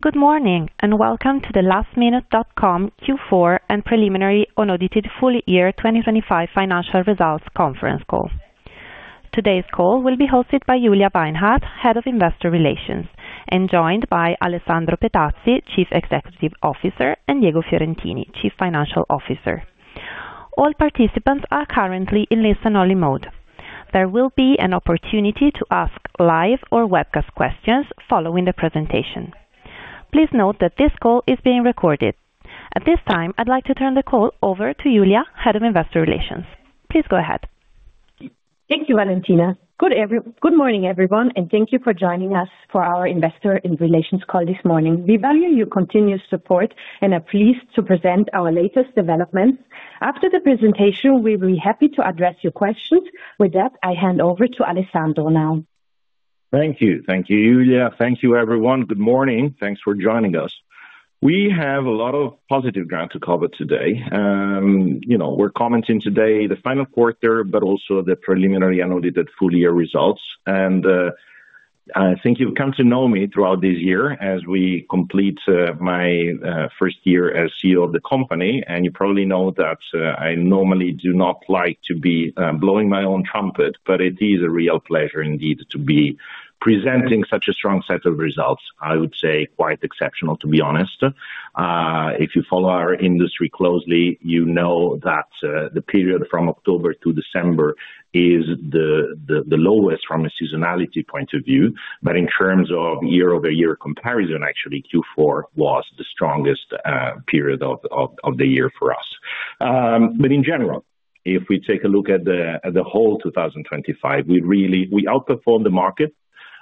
Good morning, and welcome to the Lastminute.com Q4 and preliminary unaudited full year 2025 financial results conference call. Today's call will be hosted by Julia Weinhart, Head of Investor Relations, and joined by Alessandro Petazzi, Chief Executive Officer, and Diego Fiorentini, Chief Financial Officer. All participants are currently in listen-only mode. There will be an opportunity to ask live or webcast questions following the presentation. Please note that this call is being recorded. At this time, I'd like to turn the call over to Julia, Head of Investor Relations. Please go ahead. Thank you, Valentina. Good morning, everyone, and thank you for joining us for our investor relations call this morning. We value your continued support and are pleased to present our latest developments. After the presentation, we'll be happy to address your questions. With that, I hand over to Alessandro now. Thank you. Thank you, Julia. Thank you, everyone. Good morning. Thanks for joining us. We have a lot of positive ground to cover today. You know, we're commenting today the final quarter, but also the preliminary unaudited full year results. I think you've come to know me throughout this year as we complete my first year as CEO of the company, and you probably know that I normally do not like to be blowing my own trumpet, but it is a real pleasure indeed, to be presenting such a strong set of results. I would say quite exceptional, to be honest. If you follow our industry closely, you know that the period from October to December is the lowest from a seasonality point of view, but in terms of year-over-year comparison, actually, Q4 was the strongest period of the year for us. But in general, if we take a look at the whole 2025, we really we outperformed the market.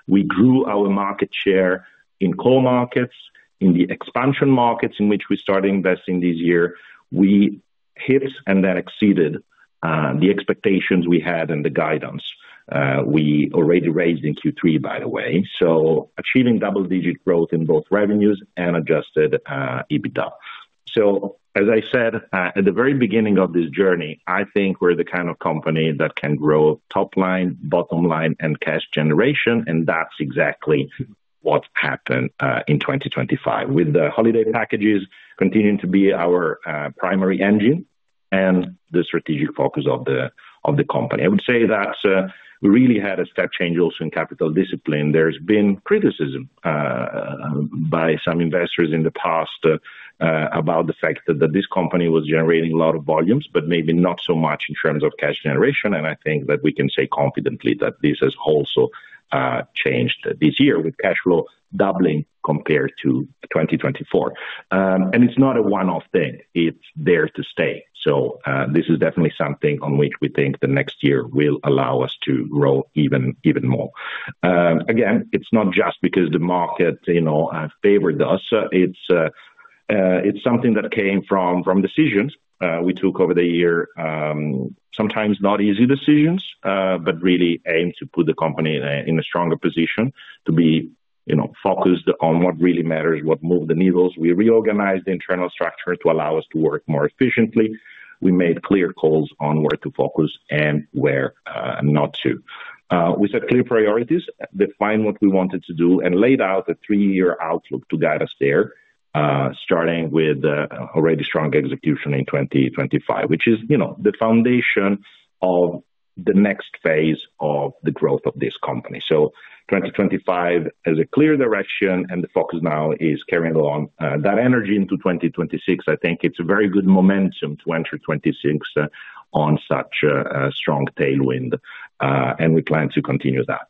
We grew our market share in core markets, in the expansion markets in which we started investing this year. We hit and then exceeded the expectations we had and the guidance we already raised in Q3, by the way, so achieving double-digit growth in both revenues and Adjusted EBITDA. So, as I said, at the very beginning of this journey, I think we're the kind of company that can grow top line, bottom line, and cash generation, and that's exactly what happened in 2025, with the holiday packages continuing to be our primary engine and the strategic focus of the company. I would say that we really had a step change also in capital discipline. There's been criticism by some investors in the past about the fact that this company was generating a lot of volumes, but maybe not so much in terms of cash generation. And I think that we can say confidently that this has also changed this year, with cash flow doubling compared to 2024. And it's not a one-off thing, it's there to stay. So, this is definitely something on which we think the next year will allow us to grow even, even more. Again, it's not just because the market, you know, favored us, it's, it's something that came from, from decisions, we took over the year. Sometimes not easy decisions, but really aimed to put the company in a, in a stronger position to be, you know, focused on what really matters, what moved the needles. We reorganized the internal structure to allow us to work more efficiently. We made clear calls on where to focus and where, not to. We set clear priorities, defined what we wanted to do, and laid out a 3-year outlook to guide us there, starting with already strong execution in 2025, which is, you know, the foundation of the next phase of the growth of this company. So 2025 has a clear direction, and the focus now is carrying along that energy into 2026. I think it's a very good momentum to enter 2026 on such a strong tailwind, and we plan to continue that.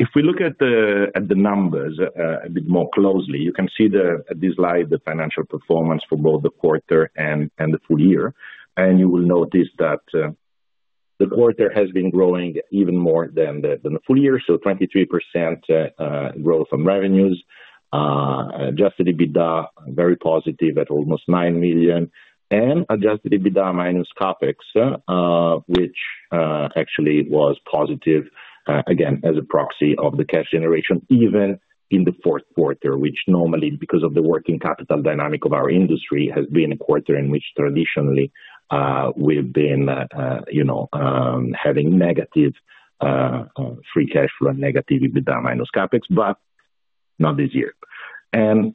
If we look at the numbers a bit more closely, you can see this slide, the financial performance for both the quarter and the full year. You will notice that the quarter has been growing even more than the full year. So 23% growth from revenues, Adjusted EBITDA very positive at almost 9 million, and Adjusted EBITDA minus CapEx, which actually was positive, again, as a proxy of the cash generation, even in the Q4, which normally, because of the working capital dynamic of our industry, has been a quarter in which traditionally we've been, you know, having negative free cash flow and negative EBITDA minus CapEx, but not this year.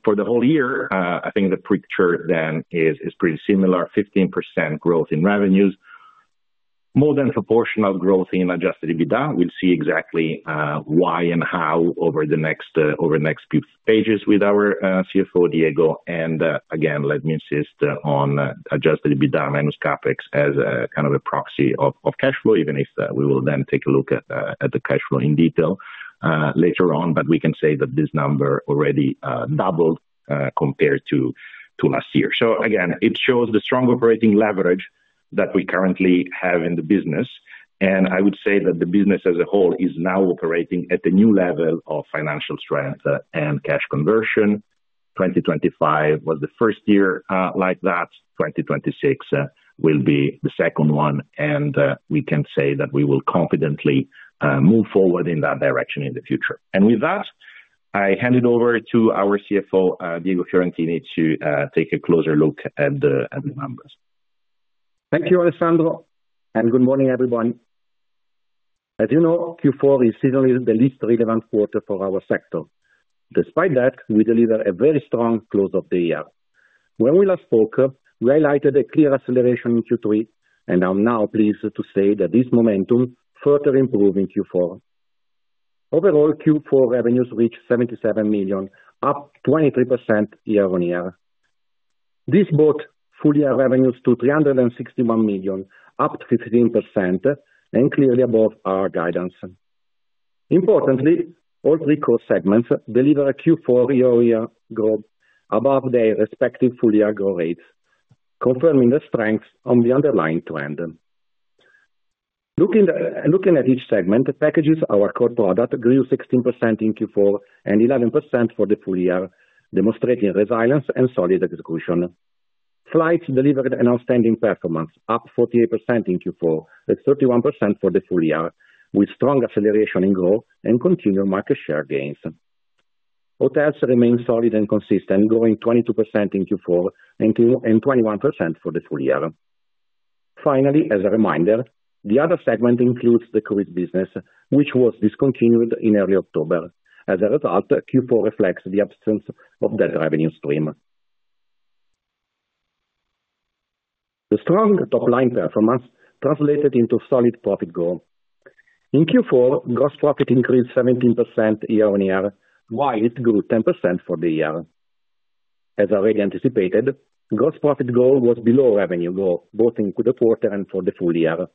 For the whole year, I think the picture then is pretty similar. 15% growth in revenues, more than proportional growth in Adjusted EBITDA. We'll see exactly why and how over the next few pages with our CFO, Diego. Again, let me insist on Adjusted EBITDA minus CapEx as a kind of a proxy of cash flow, even if we will then take a look at the cash flow in detail later on. But we can say that this number already doubled compared to last year. So again, it shows the strong operating leverage that we currently have in the business, and I would say that the business as a whole is now operating at a new level of financial strength and cash conversion. 2025 was the first year like that. 2026 will be the second one, and we can say that we will confidently move forward in that direction in the future. With that, I hand it over to our CFO, Diego Fiorentini, to take a closer look at the numbers. Thank you, Alessandro, and good morning, everyone. ...As you know, Q4 is seasonally the least relevant quarter for our sector. Despite that, we deliver a very strong close of the year. When we last spoke, we highlighted a clear acceleration in Q3, and I'm now pleased to say that this momentum further improved in Q4. Overall, Q4 revenues reached 77 million, up 23% year-over-year. This brought full-year revenues to 361 million, up 13%, and clearly above our guidance. Importantly, all three core segments delivered a Q4 year-over-year growth above their respective full-year growth rates, confirming the strength on the underlying trend. Looking, looking at each segment, the packages, our core product, grew 16% in Q4 and 11% for the full year, demonstrating resilience and solid execution. Flights delivered an outstanding performance, up 48% in Q4, and 31% for the full year, with strong acceleration in growth and continued market share gains. Hotels remain solid and consistent, growing 22% in Q4 and 21% for the full year. Finally, as a reminder, the other segment includes the cruise business, which was discontinued in early October. As a result, Q4 reflects the absence of that revenue stream. The strong top-line performance translated into solid profit growth. In Q4, gross profit increased 17% year-on-year, while it grew 10% for the year. As already anticipated, gross profit growth was below revenue growth, both into the quarter and for the full year.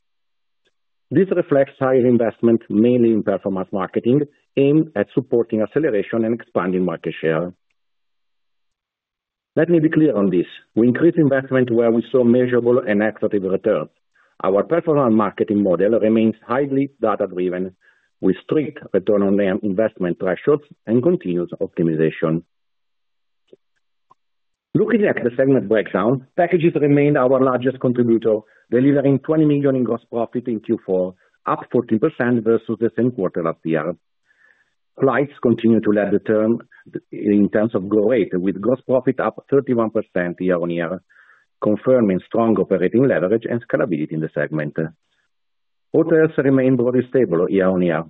This reflects higher investment, mainly in performance marketing, aimed at supporting acceleration and expanding market share. Let me be clear on this: We increased investment where we saw measurable and effective returns. Our performance marketing model remains highly data-driven, with strict return on investment thresholds and continuous optimization. Looking at the segment breakdown, packages remained our largest contributor, delivering 20 million in gross profit in Q4, up 14% versus the same quarter last year. Flights continued to lead the firm in terms of growth rate, with gross profit up 31% year-on-year, confirming strong operating leverage and scalability in the segment. Hotels remained very stable year-on-year,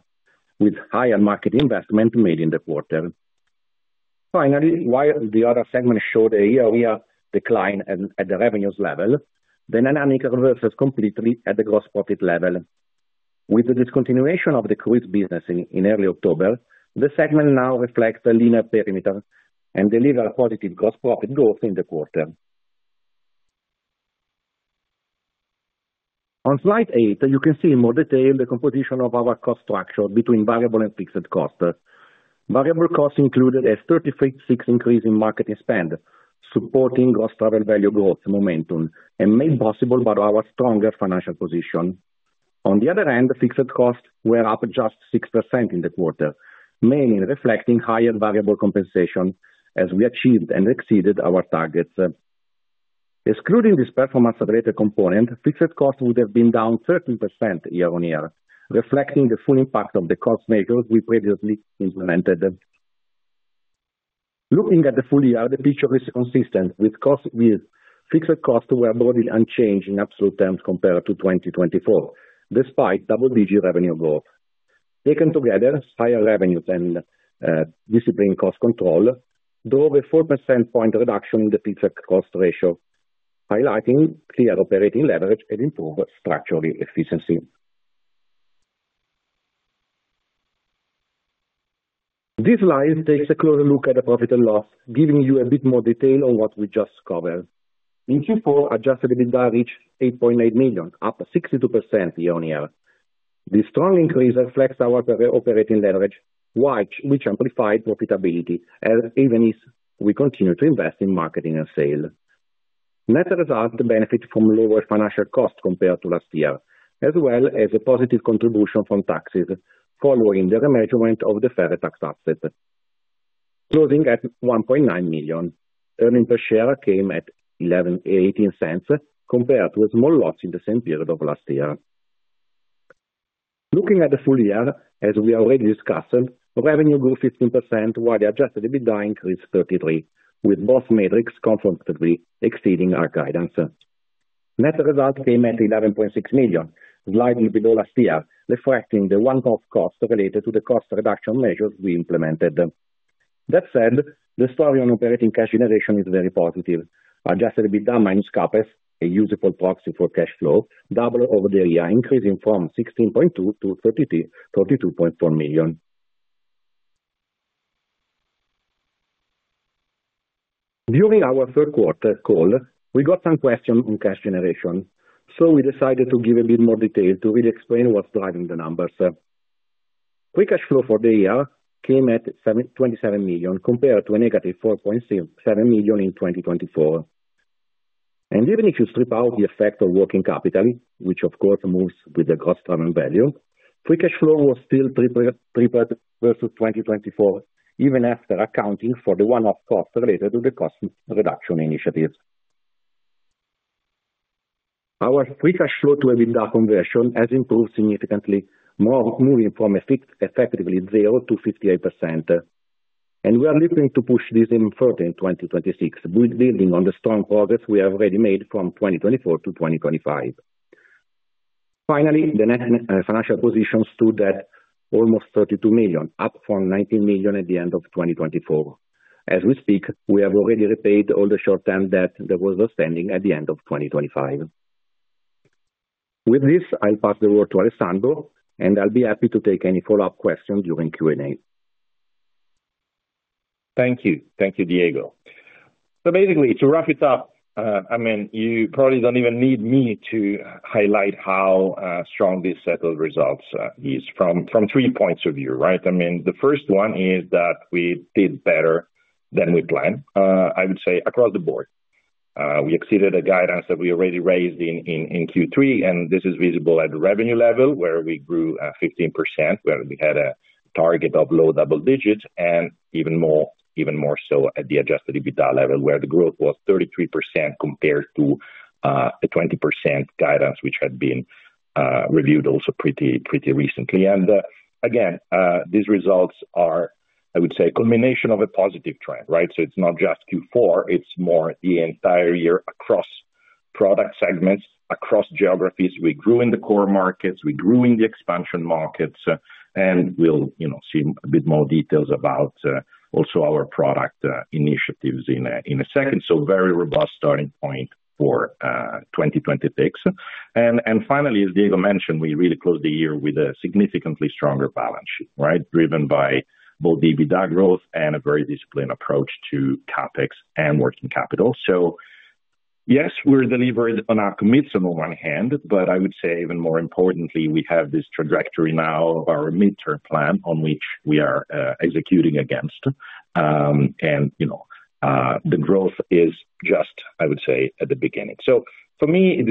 with higher marketing investment made in the quarter. Finally, while the other segment showed a year-on-year decline at the revenues level, the dynamic reverses completely at the gross profit level. With the discontinuation of the cruise business in early October, the segment now reflects a cleaner perimeter and delivered a positive gross profit growth in the quarter. On slide 8, you can see in more detail the composition of our cost structure between variable and fixed costs. Variable costs included a 36% increase in marketing spend, supporting gross travel value growth momentum, and made possible by our stronger financial position. On the other hand, fixed costs were up just 6% in the quarter, mainly reflecting higher variable compensation as we achieved and exceeded our targets. Excluding this performance-related component, fixed costs would have been down 13% year-on-year, reflecting the full impact of the cost measures we previously implemented. Looking at the full year, the picture is consistent. Fixed costs were broadly unchanged in absolute terms compared to 2024, despite double-digit revenue growth. Taken together, higher revenues and discipline cost control drove a 4 percentage point reduction in the fixed cost ratio, highlighting clear operating leverage and improved structural efficiency. This slide takes a closer look at the profit and loss, giving you a bit more detail on what we just covered. In Q4, Adjusted EBITDA reached 8.8 million, up 62% year-on-year. This strong increase reflects our operating leverage, which amplified profitability, even as we continue to invest in marketing and sales. Net result benefits from lower financial costs compared to last year, as well as a positive contribution from taxes following the remeasurement of the deferred tax asset. Closing at 1.9 million, earnings per share came at 0.1118, compared with small loss in the same period of last year. Looking at the full year, as we already discussed, revenue grew 15%, while the Adjusted EBITDA increased 33%, with both metrics comfortably exceeding our guidance. Net results came at 11.6 million, slightly below last year, reflecting the one-off costs related to the cost reduction measures we implemented. That said, the story on operating cash generation is very positive. Adjusted EBITDA minus CapEx, a usable proxy for cash flow, double over the year, increasing from 16.2 million-32.4 million. During our Q3 call, we got some questions on cash generation, so we decided to give a bit more detail to really explain what's driving the numbers. Free cash flow for the year came at 27 million, compared to a negative 4.7 million in 2024. And even if you strip out the effect of working capital, which of course moves with the gross travel value, free cash flow was still triple, tripled versus 2024, even after accounting for the one-off costs related to the cost reduction initiatives. Our free cash flow to EBITDA conversion has improved significantly, more moving from a figure effectively zero to 58%.... And we are looking to push this even further in 2026, building on the strong progress we have already made from 2024 to 2025. Finally, the net financial position stood at almost 32 million, up from 19 million at the end of 2024. As we speak, we have already repaid all the short-term debt that was outstanding at the end of 2025. With this, I'll pass the word to Alessandro, and I'll be happy to take any follow-up questions during Q&A. Thank you. Thank you, Diego. So basically, to wrap it up, I mean, you probably don't even need me to highlight how strong this set of results is from three points of view, right? I mean, the first one is that we did better than we planned, I would say, across the board. We exceeded the guidance that we already raised in Q3, and this is visible at the revenue level, where we grew 15%, where we had a target of low double digits, and even more, even more so at the Adjusted EBITDA level, where the growth was 33% compared to a 20% guidance, which had been reviewed also pretty recently. And again, these results are, I would say, a combination of a positive trend, right? So it's not just Q4, it's more the entire year across product segments, across geographies. We grew in the core markets, we grew in the expansion markets, and we'll, you know, see a bit more details about also our product initiatives in a second. So very robust starting point for 2026. And finally, as Diego mentioned, we really closed the year with a significantly stronger balance sheet, right? Driven by both the EBITDA growth and a very disciplined approach to CapEx and working capital. So yes, we delivered on our commitments on one hand, but I would say even more importantly, we have this trajectory now of our midterm plan on which we are executing against. And, you know, the growth is just, I would say, at the beginning. So we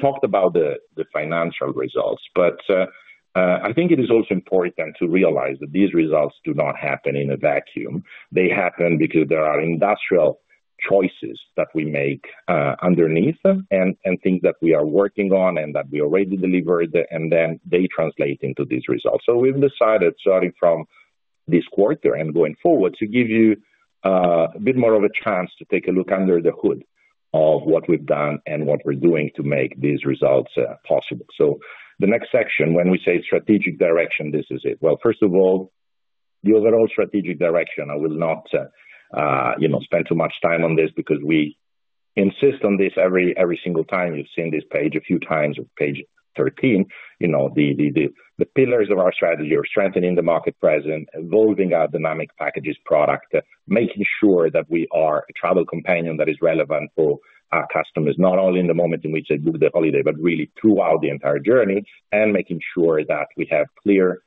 talked about the financial results, but I think it is also important to realize that these results do not happen in a vacuum. They happen because there are industrial choices that we make underneath them, and things that we are working on and that we already delivered, and then they translate into these results. So we've decided, starting from this quarter and going forward, to give you a bit more of a chance to take a look under the hood of what we've done and what we're doing to make these results possible. So the next section, when we say strategic direction, this is it. Well, first of all, the overall strategic direction, I will not, you know, spend too much time on this because we insist on this every single time. You've seen this page a few times, page 13. You know, the pillars of our strategy are strengthening the market presence, evolving our dynamic packages product, making sure that we are a travel companion that is relevant for our customers, not only in the moment in which they book their holiday, but really throughout the entire journey. And making sure that we have clear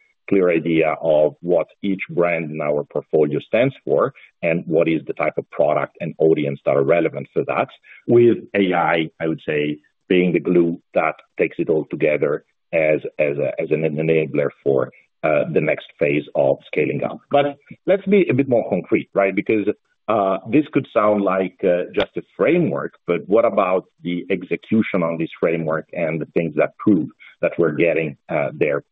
idea of what each brand in our portfolio stands for, and what is the type of product and audience that are relevant for that. With AI, I would say, being the glue that takes it all together as an enabler for the next phase of scaling up. But let's be a bit more concrete, right? Because, this could sound like, just a framework, but what about the execution on this framework and the things that prove that we're getting, there,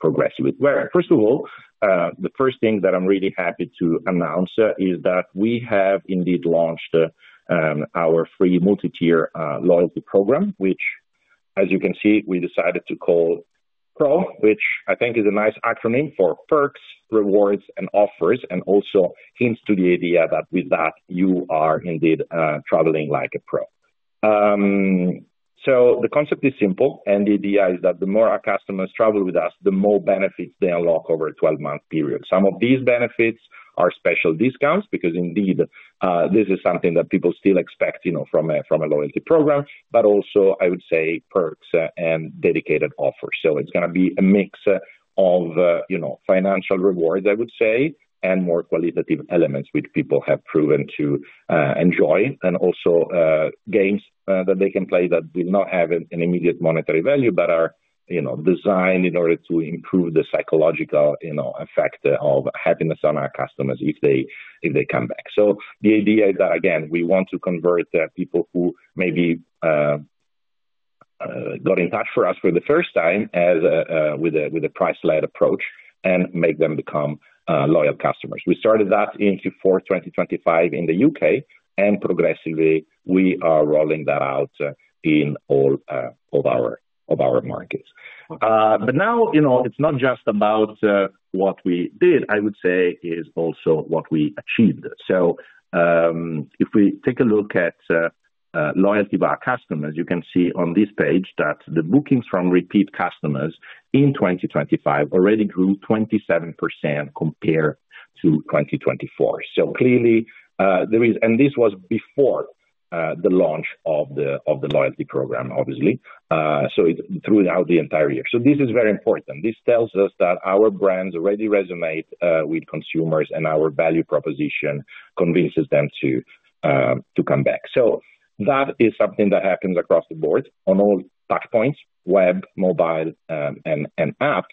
progressively? Well, first of all, the first thing that I'm really happy to announce, is that we have indeed launched, our free multi-tier, loyalty program, which, as you can see, we decided to call PRO, which I think is a nice acronym for Perks, Rewards, and Offers, and also hints to the idea that with that, you are indeed, traveling like a pro. So the concept is simple, and the idea is that the more our customers travel with us, the more benefits they unlock over a 12-month period. Some of these benefits are special discounts, because indeed, this is something that people still expect, you know, from a loyalty program, but also, I would say, perks and dedicated offers. So it's gonna be a mix of, you know, financial rewards, I would say, and more qualitative elements which people have proven to enjoy, and also games that they can play that do not have an immediate monetary value, but are, you know, designed in order to improve the psychological, you know, effect of happiness on our customers if they come back. So the idea is that, again, we want to convert the people who maybe got in touch for us for the first time as a, with a price-led approach, and make them become loyal customers. We started that in Q4 2025 in the U.K., and progressively, we are rolling that out in all of our markets. But now, you know, it's not just about what we did, I would say it's also what we achieved. So, if we take a look at loyalty of our customers, you can see on this page that the bookings from repeat customers in 2025 already grew 27% compared to 2024. So clearly, there is, and this was before the launch of the loyalty program, obviously. So it throughout the entire year. So this is very important. This tells us that our brands already resonate with consumers, and our value proposition convinces them to come back. So that is something that happens across the board on all touch points, web, mobile, and app.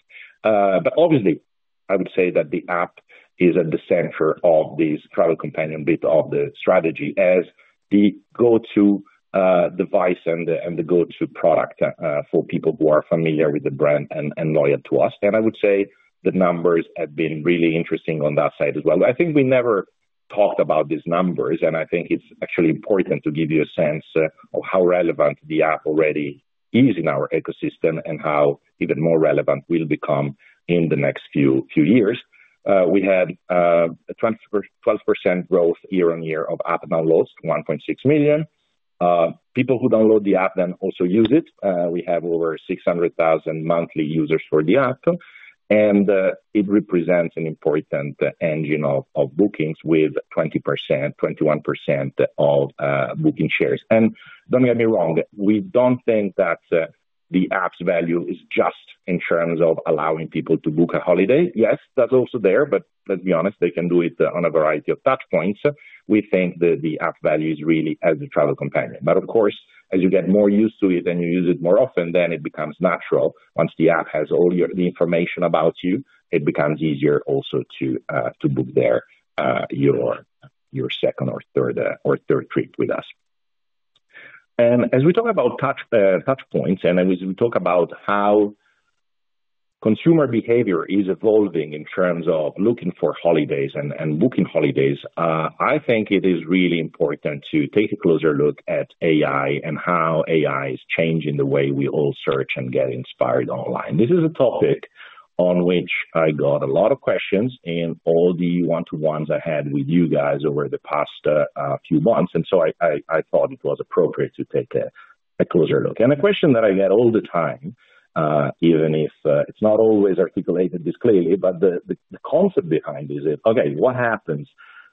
But obviously, I would say that the app is at the center of this travel companion bit of the strategy, as the go-to device and the go-to product for people who are familiar with the brand and loyal to us. And I would say the numbers have been really interesting on that side as well. I think we never talked about these numbers, and I think it's actually important to give you a sense of how relevant the app already is in our ecosystem, and how even more relevant it will become in the next few years. We had a 12% growth year-over-year of app downloads, 1.6 million. People who download the app then also use it. We have over 600,000 monthly users for the app, and it represents an important engine of bookings with 20%, 21% of booking shares. Don't get me wrong, we don't think that the app's value is just in terms of allowing people to book a holiday. Yes, that's also there, but let's be honest, they can do it on a variety of touchpoints. We think that the app value is really as a travel companion. Of course, as you get more used to it and you use it more often, then it becomes natural. Once the app has all your information about you, it becomes easier also to book there your second or third trip with us. As we talk about touch, touchpoints, and as we talk about how consumer behavior is evolving in terms of looking for holidays and booking holidays, I think it is really important to take a closer look at AI and how AI is changing the way we all search and get inspired online. This is a topic on which I got a lot of questions in all the one-to-ones I had with you guys over the past, few months, and so I thought it was appropriate to take a closer look. The question that I get all the time, even if it's not always articulated this clearly, but the, the, the concept behind it is: okay, what happens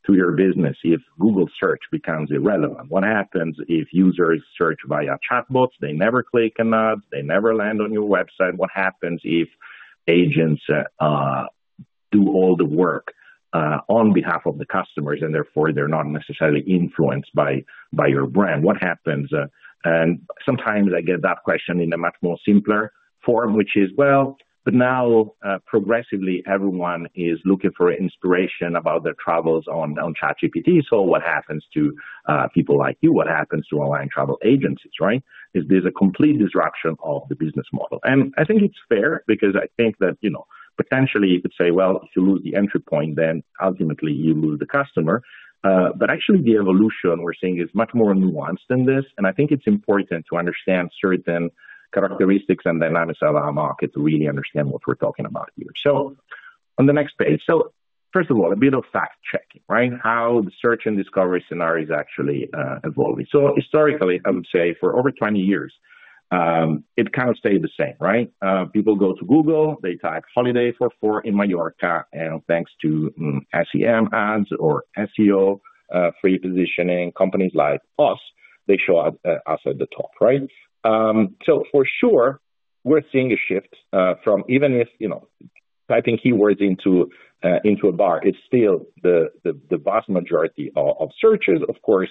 to your business if Google Search becomes irrelevant? What happens if users search via chatbots, they never click an ad, they never land on your website? What happens if agents do all the work on behalf of the customers, and therefore they're not necessarily influenced by, by your brand? What happens. And sometimes I get that question in a much more simpler form, which is, well, but now, progressively, everyone is looking for inspiration about their travels on, on ChatGPT, so what happens to, people like you? What happens to online travel agencies, right? Is there's a complete disruption of the business model. And I think it's fair because I think that, you know, potentially you could say, well, if you lose the entry point, then ultimately you lose the customer. But actually, the evolution we're seeing is much more nuanced than this, and I think it's important to understand certain characteristics and dynamics of our market to really understand what we're talking about here. So on the next page. So first of all, a bit of fact-checking, right? How the search and discovery scenario is actually evolving. So historically, I would say for over 20 years, it kind of stayed the same, right? People go to Google, they type holiday for 4 in Mallorca, and thanks to, SEM ads or SEO, free positioning, companies like us, they show up, us at the top, right? So for sure, we're seeing a shift, from even if, you know, typing keywords into a, into a bar is still the vast majority of searches. Of course,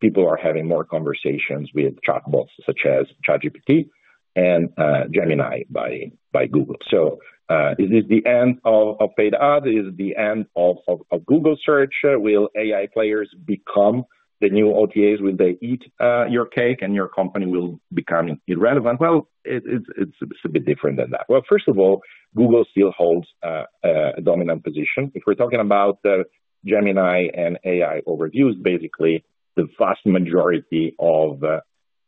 people are having more conversations with chatbots such as ChatGPT and Gemini by Google. So, is this the end of paid ad? Is it the end of Google Search? Will AI players become the new OTAs? Will they eat your cake and your company will become irrelevant? Well, it's a bit different than that. Well, first of all, Google still holds a dominant position. If we're talking about Gemini and AI Overviews, basically, the vast majority of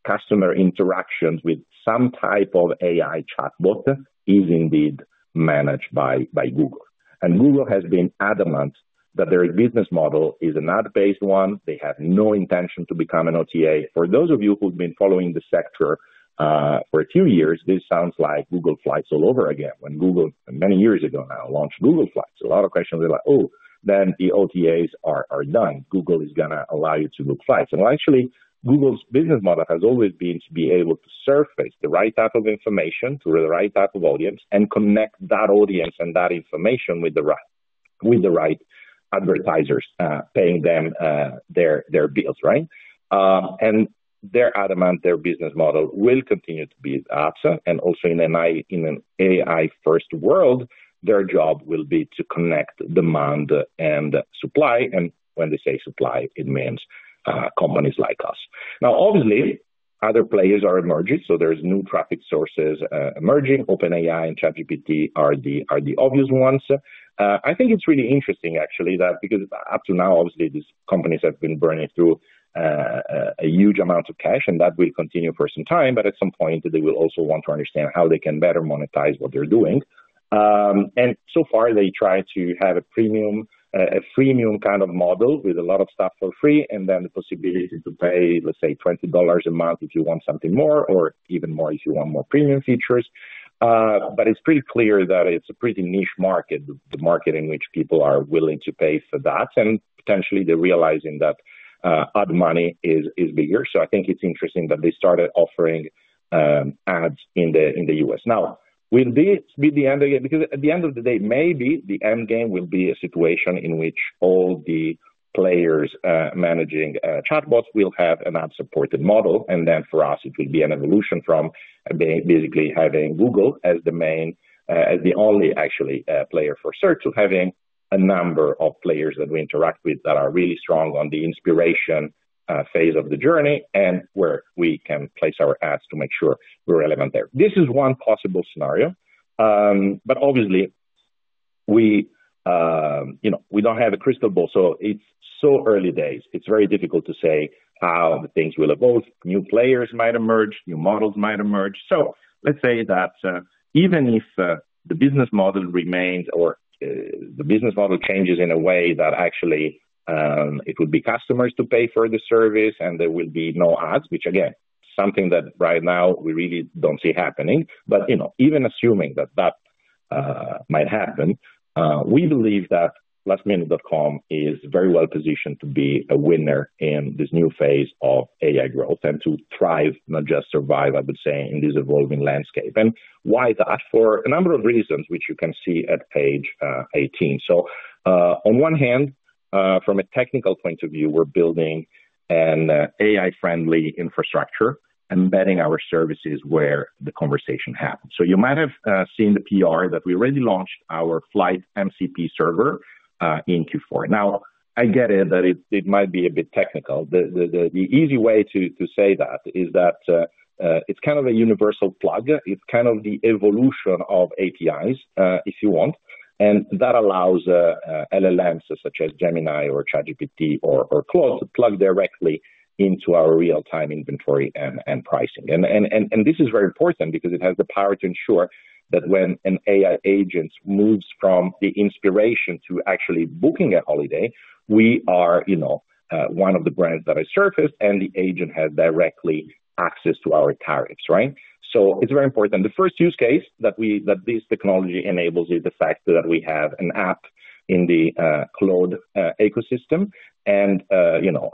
customer interactions with some type of AI chatbot is indeed managed by Google. And Google has been adamant that their business model is an ad-based one. They have no intention to become an OTA. For those of you who've been following the sector for a few years, this sounds like Google Flights all over again. When Google, many years ago now, launched Google Flights, a lot of questions were like, "Oh, then the OTAs are done. Google is gonna allow you to book flights." And well, actually, Google's business model has always been to be able to surface the right type of information to the right type of audience, and connect that audience and that information with the right advertisers, paying them their bills, right? And they're adamant their business model will continue to be ads. And also in an AI-first world, their job will be to connect demand and supply, and when they say supply, it means companies like us. Now, obviously, other players are emerging, so there's new traffic sources emerging. OpenAI and ChatGPT are the obvious ones. I think it's really interesting actually, that because up to now, obviously, these companies have been burning through a huge amount of cash, and that will continue for some time, but at some point, they will also want to understand how they can better monetize what they're doing. And so far, they try to have a premium, a freemium kind of model, with a lot of stuff for free, and then the possibility to pay, let's say, $20 a month if you want something more or even more, if you want more premium features. But it's pretty clear that it's a pretty niche market, the market in which people are willing to pay for that, and potentially they're realizing that, ad money is bigger. So I think it's interesting that they started offering ads in the U.S. Now, will this be the end of it? Because at the end of the day, maybe the end game will be a situation in which all the players managing chatbots will have an ad-supported model, and then for us, it will be an evolution from basically having Google as the main as the only actually player for search, to having a number of players that we interact with that are really strong on the inspiration phase of the journey, and where we can place our ads to make sure we're relevant there. This is one possible scenario. But obviously we, you know, we don't have a crystal ball, so it's so early days. It's very difficult to say how the things will evolve. New players might emerge, new models might emerge. So let's say that, even if, the business model remains or, the business model changes in a way that actually, it would be customers to pay for the service and there will be no ads, which again, something that right now we really don't see happening. But, you know, even assuming that, that, might happen, we believe that Lastminute.com is very well positioned to be a winner in this new phase of AI growth and to thrive, not just survive, I would say, in this evolving landscape. And why that? For a number of reasons, which you can see at page 18. So, on one hand, from a technical point of view, we're building an AI-friendly infrastructure, embedding our services where the conversation happens. So you might have seen the PR that we already launched our flight MCP server in Q4. Now, I get it, that it might be a bit technical. The easy way to say that is that it's kind of a universal plug. It's kind of the evolution of APIs, if you want, and that allows LLMs, such as Gemini or ChatGPT or Claude, to plug directly into our real-time inventory and pricing. And this is very important because it has the power to ensure that when an AI agent moves from the inspiration to actually booking a holiday, we are, you know, one of the brands that I surfaced, and the agent has directly access to our tariffs, right? So it's very important. The first use case that we that this technology enables is the fact that we have an app in the Claude ecosystem, and you know,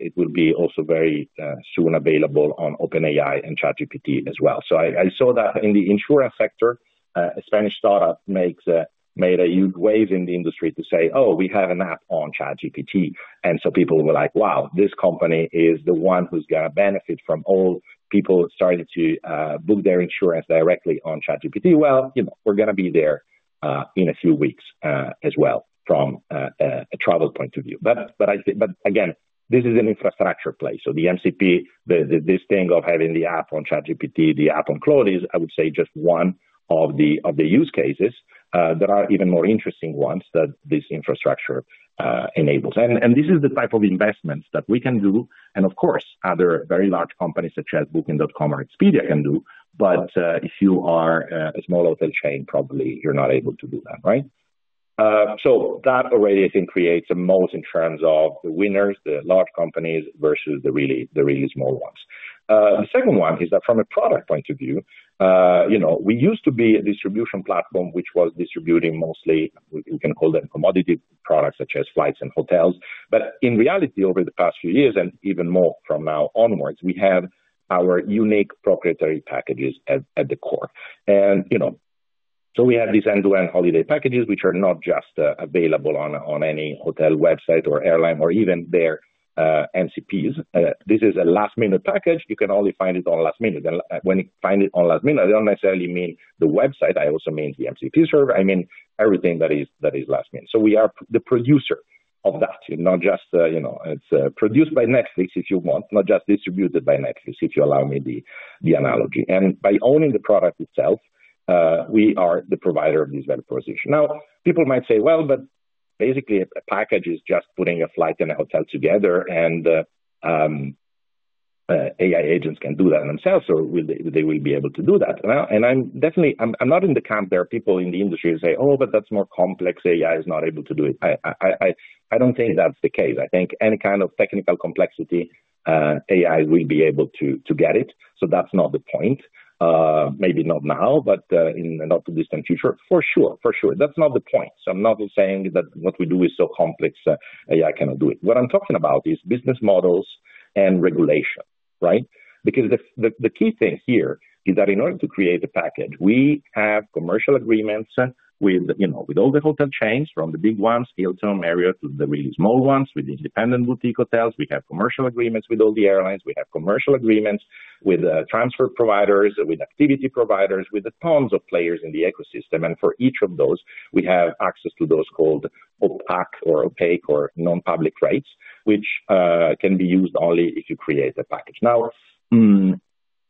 it will be also very soon available on OpenAI and ChatGPT as well. So I saw that in the insurance sector, a Spanish start-up made a huge wave in the industry to say, "Oh, we have an app on ChatGPT." And so people were like, "Wow, this company is the one who's gonna benefit from all people starting to book their insurance directly on ChatGPT." Well, you know, we're gonna be there in a few weeks as well, from a travel point of view. But I think but again, this is an infrastructure play. So the MCP, the, this thing of having the app on ChatGPT, the app on Claude, is, I would say, just one of the, of the use cases. There are even more interesting ones that this infrastructure enables. And this is the type of investments that we can do, and, of course, other very large companies such as Booking.com or Expedia can do. But if you are a small hotel chain, probably you're not able to do that, right? So that already, I think, creates a moat in terms of the winners, the large companies, versus the really, the really small ones. The second one is that from a product point of view, you know, we used to be a distribution platform which was distributing mostly, we can call them commodity products, such as flights and hotels. But in reality, over the past few years and even more from now onwards, we have our unique proprietary packages at the core. And, you know, so we have these end-to-end holiday packages, which are not just available on any hotel website or airline or even their MCPs. This is a Lastminute.com package. You can only find it on Lastminute.com. And when you find it on Lastminute.com, I don't necessarily mean the website, I also mean the MCP server. I mean everything that is Lastminute.com. So we are the producer of that, you know, not just you know... It's produced by Netflix, if you want, not just distributed by Netflix, if you allow me the analogy. And by owning the product itself, we are the provider of this value proposition. Now, people might say, "Well, but basically a package is just putting a flight and hotel together, and, AI agents can do that themselves, so will they- they will be able to do that." And I'm definitely not in the camp. There are people in the industry who say, "Oh, but that's more complex. AI is not able to do it." I don't think that's the case. I think any kind of technical complexity, AI will be able to get it. So that's not the point. Maybe not now, but, in the not-too-distant future, for sure. For sure. That's not the point. So I'm not saying that what we do is so complex, AI cannot do it. What I'm talking about is business models and regulation, right? Because the key thing here is that in order to create a package, we have commercial agreements with, you know, with all the hotel chains, from the big ones, Hilton, Marriott, to the really small ones, with independent boutique hotels. We have commercial agreements with all the airlines. We have commercial agreements with transfer providers, with activity providers, with the tons of players in the ecosystem. And for each of those, we have access to those called opaque or opaque or non-public rates, which can be used only if you create a package. Now,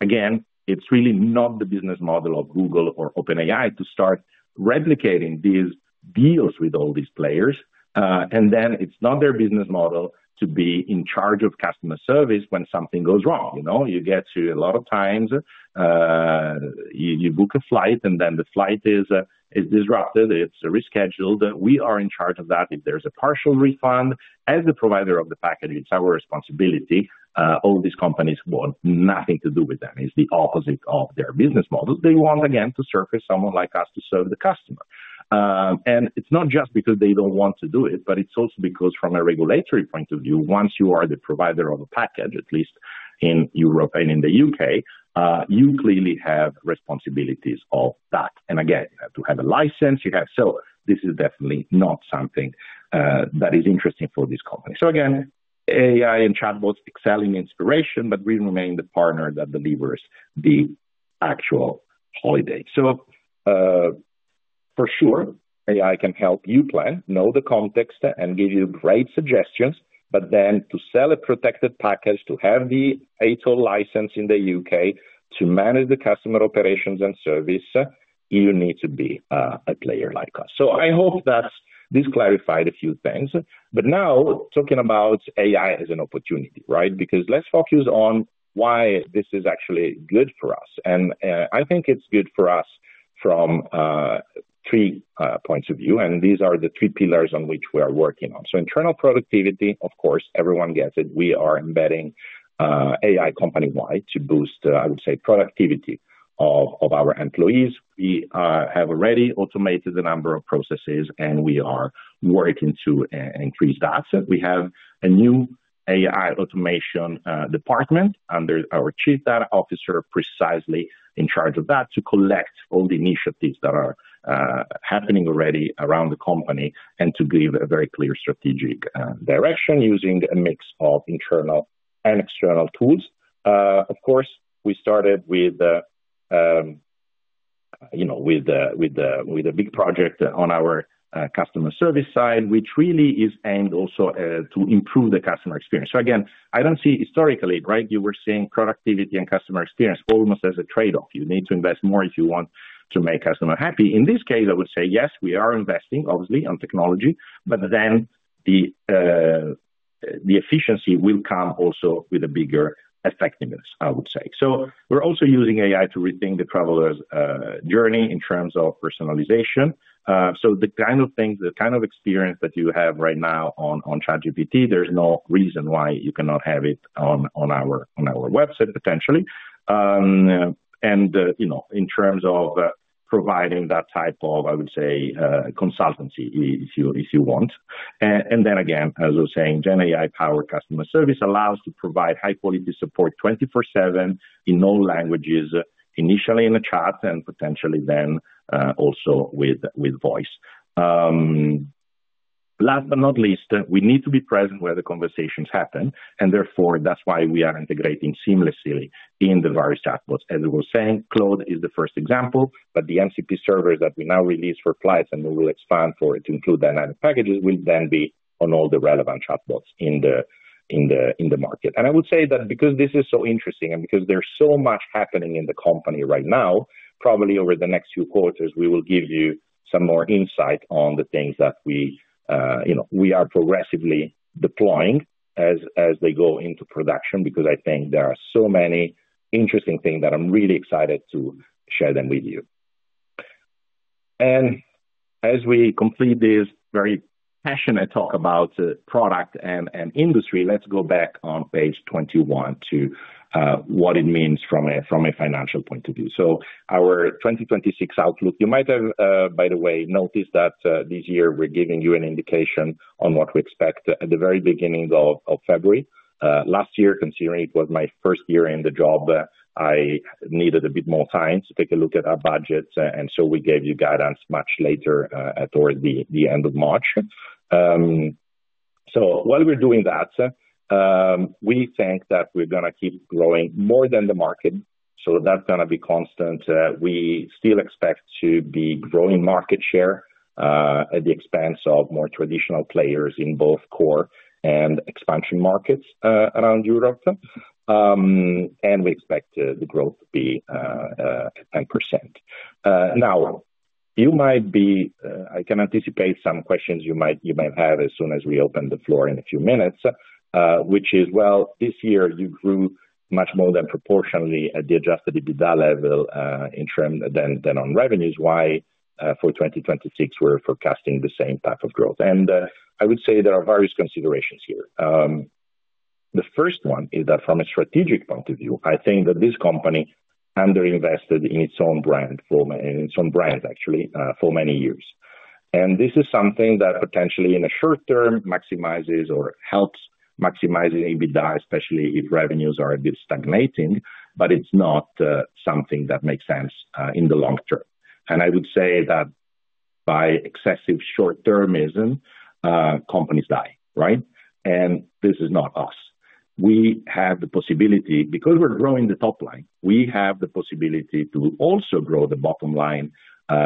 again, it's really not the business model of Google or OpenAI to start replicating these deals with all these players. And then it's not their business model to be in charge of customer service when something goes wrong. You know, you get to, a lot of times, you book a flight, and then the flight is disrupted, it's rescheduled. We are in charge of that. If there's a partial refund, as the provider of the package, it's our responsibility. All these companies want nothing to do with that. It's the opposite of their business model. They want, again, to surface someone like us to serve the customer. And it's not just because they don't want to do it, but it's also because from a regulatory point of view, once you are the provider of a package, at least in Europe and in the UK, you clearly have responsibilities of that. And again, you have to have a license, you have... So this is definitely not something that is interesting for this company. So again, AI and chatbots excel in inspiration, but we remain the partner that delivers the actual holiday. For sure, AI can help you plan, know the context, and give you great suggestions, but then to sell a protected package, to have the ATOL license in the U.K., to manage the customer operations and service, you need to be a player like us. So I hope that this clarified a few things. But now talking about AI as an opportunity, right? Because let's focus on why this is actually good for us. And I think it's good for us from three points of view, and these are the three pillars on which we are working on. So internal productivity, of course, everyone gets it. We are embedding AI company-wide to boost, I would say, productivity of our employees. We have already automated a number of processes, and we are working to increase that. We have a new AI automation department under our chief data officer, precisely in charge of that, to collect all the initiatives that are happening already around the company, and to give a very clear strategic direction using a mix of internal and external tools. Of course, we started with, you know, a big project on our customer service side, which really is aimed also to improve the customer experience. So again, I don't see historically, right, you were seeing productivity and customer experience almost as a trade-off. You need to invest more if you want to make customer happy. In this case, I would say, yes, we are investing, obviously, on technology, but then the efficiency will come also with a bigger effectiveness, I would say. So we're also using AI to rethink the traveler's journey in terms of personalization. So the kind of things, the kind of experience that you have right now on ChatGPT, there's no reason why you cannot have it on our website, potentially. And, you know, in terms of providing that type of, I would say, consultancy, if you want. And then again, as I was saying, Gen AI power customer service allows to provide high quality support 24/7 in all languages, initially in the chat and potentially then also with voice. Last but not least, we need to be present where the conversations happen, and therefore, that's why we are integrating seamlessly in the various chatbots. As I was saying, Claude is the first example, but the MCP servers that we now release for flights, and we will expand for it to include dynamic packages, will then be on all the relevant chatbots in the market. And I would say that because this is so interesting and because there's so much happening in the company right now, probably over the next few quarters, we will give you some more insight on the things that we, you know, we are progressively deploying as they go into production, because I think there are so many interesting things that I'm really excited to share them with you. As we complete this very passionate talk about product and industry, let's go back on page 21 to what it means from a financial point of view. So our 2026 outlook, you might have, by the way, noticed that, this year, we're giving you an indication on what we expect at the very beginning of February. Last year, considering it was my first year in the job, I needed a bit more time to take a look at our budgets, and so we gave you guidance much later, towards the end of March. So while we're doing that, we think that we're gonna keep growing more than the market, so that's gonna be constant. We still expect to be growing market share at the expense of more traditional players in both core and expansion markets around Europe. And we expect the growth to be at 10%. Now, you might be, I can anticipate some questions you might have as soon as we open the floor in a few minutes, which is, well, this year you grew much more than proportionally at the Adjusted EBITDA level in terms than on revenues. Why for 2026, we're forecasting the same type of growth? And I would say there are various considerations here. The first one is that from a strategic point of view, I think that this company underinvested in its own brand for, in some brands actually, for many years. This is something that potentially in a short term maximizes or helps maximizing EBITDA, especially if revenues are a bit stagnating, but it's not something that makes sense in the long term. I would say that by excessive short-termism companies die, right? This is not us. We have the possibility—because we're growing the top line, we have the possibility to also grow the bottom line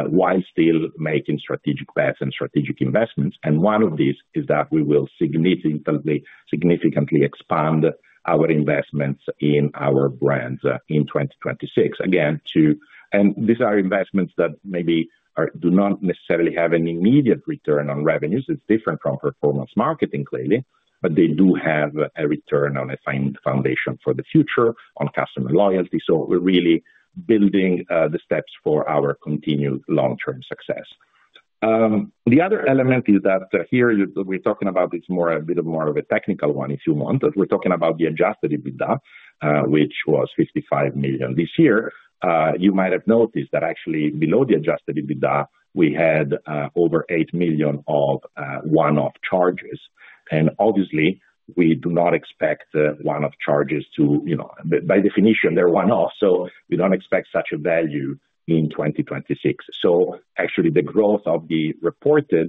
while still making strategic bets and strategic investments. One of these is that we will significantly, significantly expand our investments in our brands in 2026. Again, to—and these are investments that maybe are do not necessarily have an immediate return on revenues. It's different from performance marketing, clearly, but they do have a return on a foundation for the future, on customer loyalty. So we're really building the steps for our continued long-term success. The other element is that here we're talking about this more, a bit of more of a technical one, if you want, but we're talking about the Adjusted EBITDA, which was 55 million. This year, you might have noticed that actually below the Adjusted EBITDA, we had over 8 million of one-off charges. And obviously, we do not expect the one-off charges to, you know, by definition, they're one-off, so we don't expect such a value in 2026. So actually the growth of the reported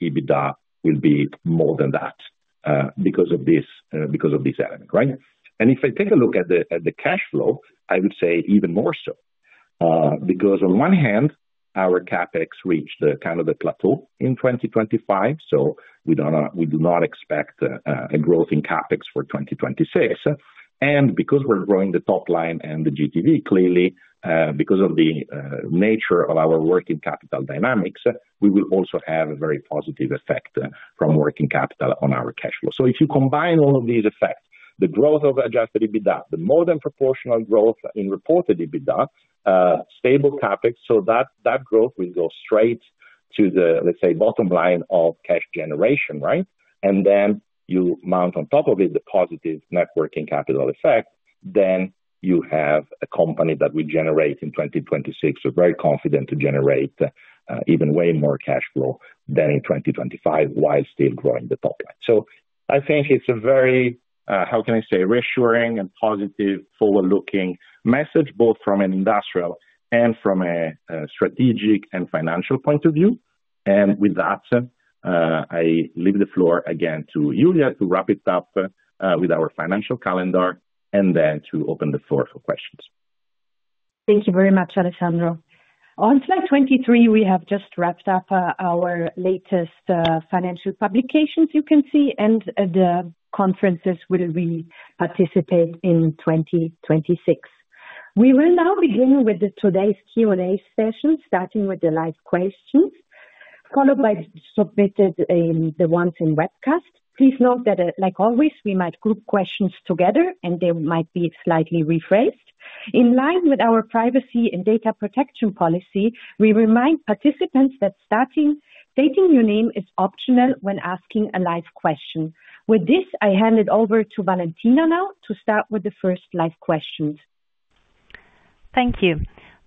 EBITDA will be more than that... because of this, because of this element, right? And if I take a look at the, at the cash flow, I would say even more so. Because on one hand, our CapEx reached the kind of the plateau in 2025, so we do not, we do not expect a growth in CapEx for 2026. And because we're growing the top line and the GTV, clearly, because of the nature of our working capital dynamics, we will also have a very positive effect from working capital on our cash flow. So if you combine all of these effects, the growth of Adjusted EBITDA, the more than proportional growth in reported EBITDA, stable CapEx, so that, that growth will go straight to the, let's say, bottom line of cash generation, right? And then you mount on top of it, the positive net working capital effect, then you have a company that we generate in 2026. We're very confident to generate, even way more cash flow than in 2025, while still growing the top line. So I think it's a very, how can I say, reassuring and positive forward-looking message, both from an industrial and from a, a strategic and financial point of view. And with that, I leave the floor again to Julia to wrap it up, with our financial calendar, and then to open the floor for questions. Thank you very much, Alessandro. On slide 23, we have just wrapped up our latest financial publications you can see, and the conferences where we participate in 2026. We will now begin with today's Q&A session, starting with the live questions, followed by submitted the ones in webcast. Please note that, like always, we might group questions together, and they might be slightly rephrased. In line with our privacy and data protection policy, we remind participants that starting, stating your name is optional when asking a live question. With this, I hand it over to Valentina now to start with the first live questions. Thank you.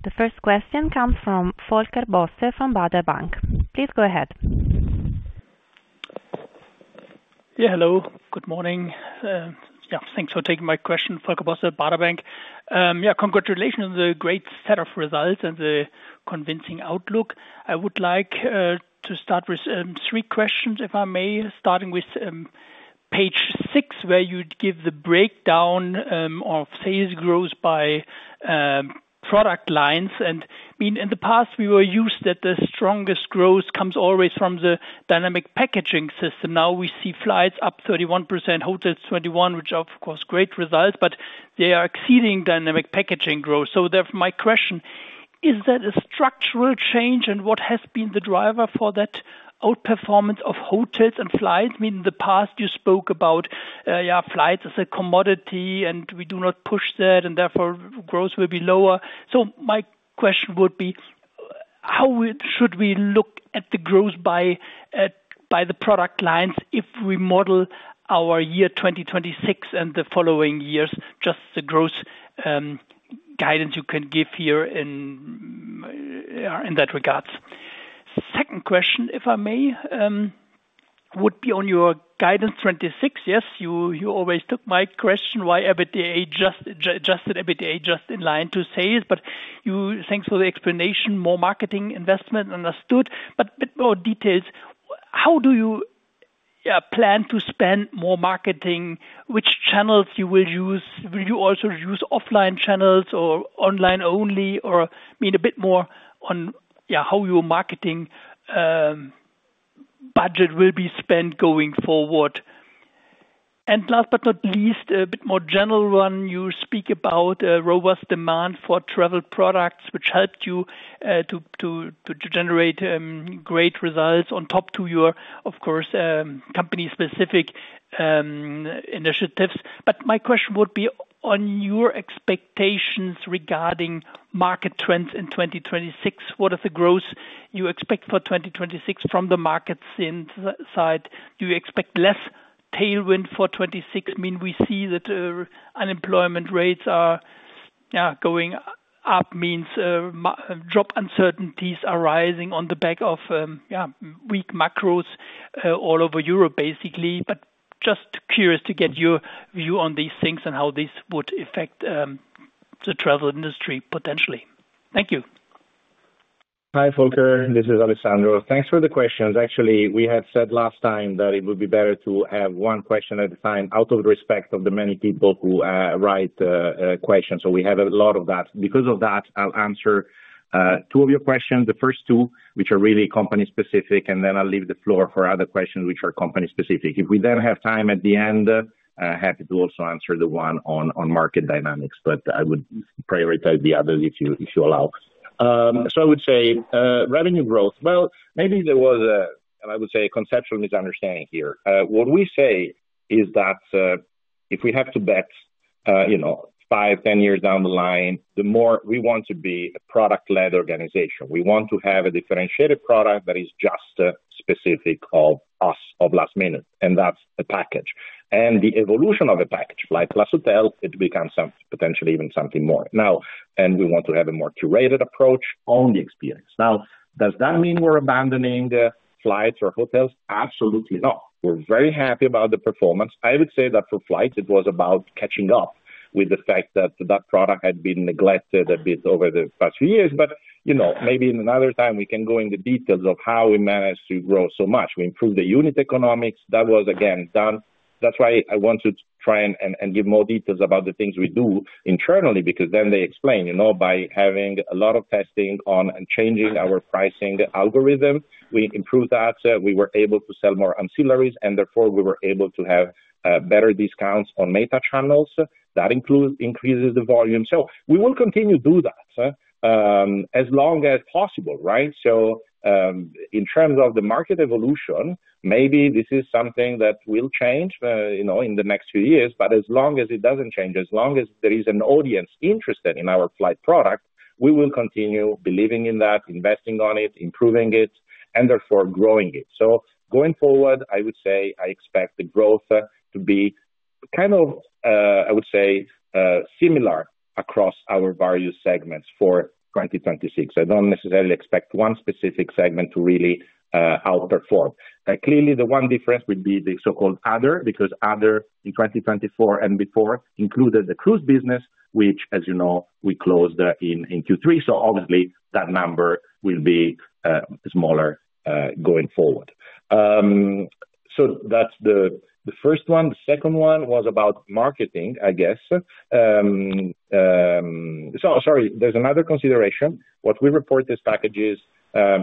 The first question comes from Volker Bosse, from Baader Bank. Please go ahead. Yeah, hello. Good morning. Yeah, thanks for taking my question. Volker Bosse, Baader Bank. Yeah, congratulations on the great set of results and the convincing outlook. I would like to start with three questions, if I may, starting with page six, where you'd give the breakdown of sales growth by product lines. I mean, in the past, we were used that the strongest growth comes always from the dynamic packaging system. Now, we see flights up 31%, hotels 21%, which of course, great results, but they are exceeding dynamic packaging growth. So therefore my question, is that a structural change, and what has been the driver for that outperformance of hotels and flights? I mean, in the past, you spoke about flights as a commodity, and we do not push that, and therefore, growth will be lower. So my question would be: how should we look at the growth by the product lines if we model our year 2026 and the following years, just the growth guidance you can give here in that regard? Second question, if I may, would be on your guidance 2026. Yes, you always took my question, why EBITDA adjust, Adjusted EBITDA just in line to sales, but you—thanks for the explanation, more marketing investment. Understood. But more details, how do you plan to spend more marketing? Which channels you will use? Will you also use offline channels or online only, or need a bit more on, yeah, how your marketing budget will be spent going forward? And last but not least, a bit more general one. You speak about robust demand for travel products, which helped you to generate great results on top of your, of course, company-specific initiatives. But my question would be on your expectations regarding market trends in 2026, what is the growth you expect for 2026 from the markets inside? Do you expect less tailwind for 2026? I mean, we see that unemployment rates are, yeah, going up, means job uncertainties are rising on the back of, yeah, weak macros all over Europe, basically. But just curious to get your view on these things and how this would affect the travel industry potentially. Thank you. Hi, Volker. This is Alessandro. Thanks for the questions. Actually, we had said last time that it would be better to have one question at a time out of respect for the many people who write a question. So we have a lot of that. Because of that, I'll answer two of your questions, the first two, which are really company-specific, and then I'll leave the floor for other questions which are company-specific. If we then have time at the end, happy to also answer the one on, on market dynamics, but I would prioritize the other if you, if you allow. So I would say revenue growth. Well, maybe there was, and I would say, a conceptual misunderstanding here. What we say is that, if we have to bet-... You know, 5-10 years down the line, the more we want to be a product-led organization. We want to have a differentiated product that is just specific of us, of Lastminute, and that's the package. The evolution of the package, like Flight + Hotel, it becomes something potentially even something more. Now, we want to have a more curated approach on the experience. Now, does that mean we're abandoning the flights or hotels? Absolutely not. We're very happy about the performance. I would say that for flights, it was about catching up with the fact that that product had been neglected a bit over the past few years. But, you know, maybe in another time, we can go in the details of how we managed to grow so much. We improved the unit economics. That was, again, done. That's why I want to try and give more details about the things we do internally, because then they explain, you know, by having a lot of testing on and changing our pricing algorithm, we improved that. We were able to sell more ancillaries, and therefore, we were able to have better discounts on meta channels. That includes, increases the volume. So we will continue to do that as long as possible, right? So, in terms of the market evolution, maybe this is something that will change, you know, in the next few years. But as long as it doesn't change, as long as there is an audience interested in our flight product, we will continue believing in that, investing on it, improving it, and therefore growing it. So going forward, I would say I expect the growth to be kind of, I would say, similar across our various segments for 2026. I don't necessarily expect one specific segment to really outperform. Clearly, the one difference would be the so-called other, because other, in 2024 and before, included the cruise business, which, as you know, we closed in Q3. So obviously, that number will be smaller going forward. So that's the first one. The second one was about marketing, I guess. So, sorry, there's another consideration. What we report as packages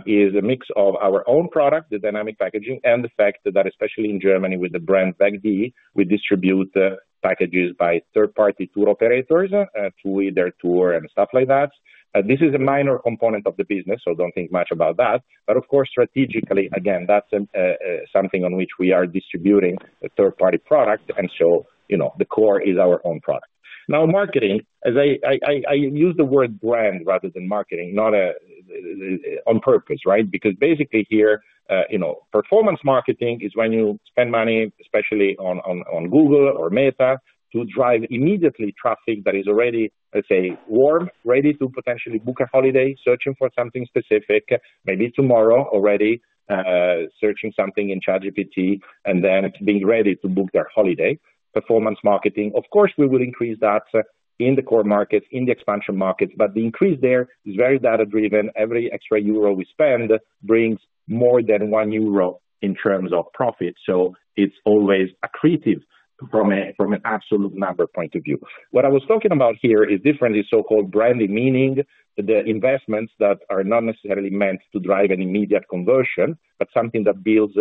is a mix of our own product, the dynamic packaging, and the fact that especially in Germany, with the brand weg.de, we distribute packages by third-party tour operators through their tour and stuff like that. This is a minor component of the business, so don't think much about that. But of course, strategically, again, that's something on which we are distributing a third-party product, and so, you know, the core is our own product. Now, marketing, as I use the word brand rather than marketing, not on purpose, right? Because basically here, you know, performance marketing is when you spend money, especially on Google or Meta, to drive immediately traffic that is already, let's say, warm, ready to potentially book a holiday, searching for something specific, maybe tomorrow already, searching something in ChatGPT, and then being ready to book their holiday. Performance marketing, of course, we will increase that in the core markets, in the expansion markets, but the increase there is very data-driven. Every extra euro we spend brings more than 1 euro in terms of profit, so it's always accretive from an absolute number point of view. What I was talking about here is different, the so-called branding, meaning the investments that are not necessarily meant to drive an immediate conversion, but something that builds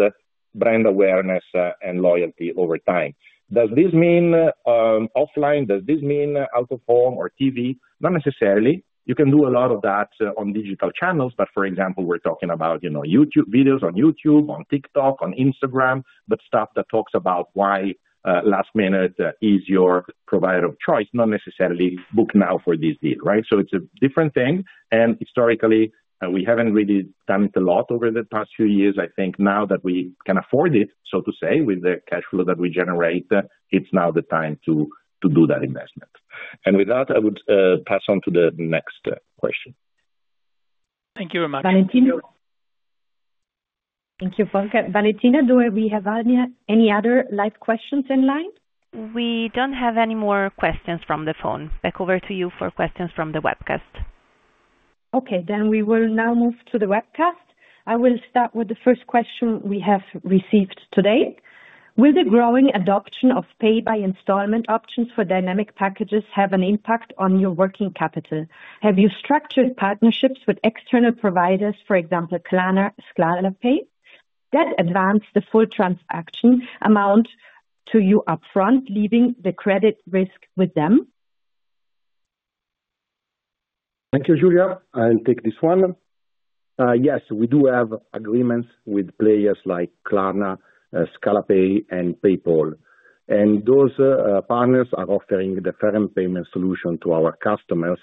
brand awareness and loyalty over time. Does this mean offline? Does this mean out-of-home or TV? Not necessarily. You can do a lot of that on digital channels, but for example, we're talking about, you know, YouTube, videos on YouTube, on TikTok, on Instagram, but stuff that talks about why Lastminute is your provider of choice, not necessarily book now for this deal, right? So it's a different thing, and historically, we haven't really done it a lot over the past few years. I think now that we can afford it, so to say, with the cash flow that we generate, it's now the time to do that investment. With that, I would pass on to the next question. Thank you very much. Valentina. Thank you, folks. Valentina, do we have any, any other live questions in line? We don't have any more questions from the phone. Back over to you for questions from the webcast. Okay, then we will now move to the webcast. I will start with the first question we have received today: Will the growing adoption of pay-by-installment options for dynamic packages have an impact on your working capital? Have you structured partnerships with external providers, for example, Klarna, Scalapay, that advance the full transaction amount to you upfront, leaving the credit risk with them? Thank you, Julia. I'll take this one. Yes, we do have agreements with players like Klarna, Scalapay, and PayPal, and those partners are offering the current payment solution to our customers